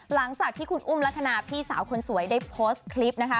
หลังจากที่คุณอุ้มลักษณะพี่สาวคนสวยได้โพสต์คลิปนะคะ